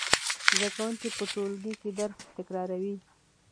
زده کوونکي په ټولګي کې درس تکراروي.